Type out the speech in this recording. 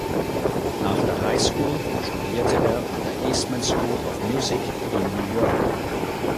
Nach der Highschool studierte er an der Eastman School of Music in New York.